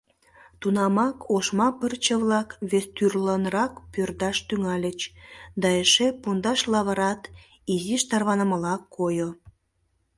Тунамак ошма пырче-влак вестӱрлынрак пӧрдаш тӱҥальыч, да эше пундаш лавырат изиш тарванымыла койо.